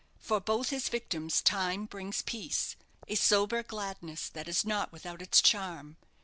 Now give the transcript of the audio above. For both his victims time brings peace a sober gladness that is not without its charm.